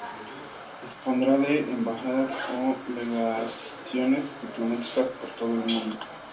Dispondrá de "embajadas" o legaciones diplomáticas por todo el mundo.